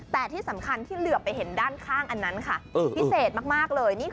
แต่ที่สำคัญที่เหลือไปเห็นด้านข้างอันนั้นค่ะพิเศษมากเลย